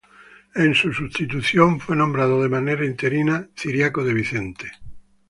En su sustitución fue nombrado de manera interina, Ciriaco de Vicente.